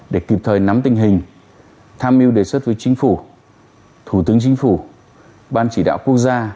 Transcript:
để kịp thời nắm tình hình tham mưu đề xuất với chính phủ thủ tướng chính phủ ban chỉ đạo quốc gia